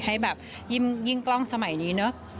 อย่างยิ่งกล้องสมัยนี้เนอะ